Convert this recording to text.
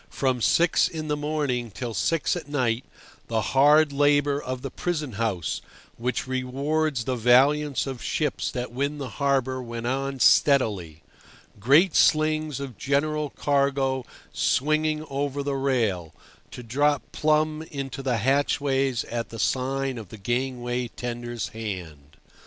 From six in the morning till six at night the hard labour of the prison house, which rewards the valiance of ships that win the harbour went on steadily, great slings of general cargo swinging over the rail, to drop plumb into the hatchways at the sign of the gangway tender's hand.